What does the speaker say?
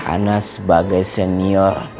anda sebagai senior